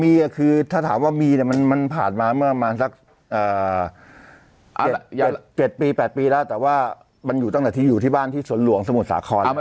มีคือถ้าถามว่ามีมันผ่านมาเมื่อประมาณสัก๗ปี๘ปีแล้วแต่ว่ามันอยู่ตั้งแต่ที่อยู่ที่บ้านที่สวนหลวงสมุทรสาคร